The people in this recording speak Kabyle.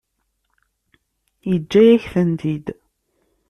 Yeǧǧa-yak-tent-id.